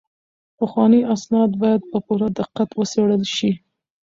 پخواني اسناد باید په پوره دقت وڅیړل شي.